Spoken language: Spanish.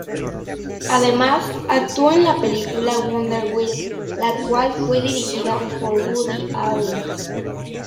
Además, actuó en la película "Wonder Wheel", la cual fue dirigida por Woody Allen.